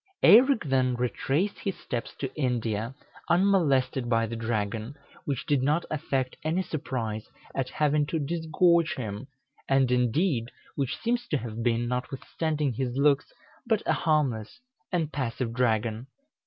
Eirek then retraced his steps to India, unmolested by the dragon, which did not affect any surprise at having to disgorge him, and, indeed, which seems to have been, notwithstanding his looks, but a harmless and passive dragon.